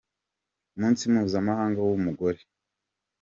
Umunsi Mpuzamahanga w’Umugore.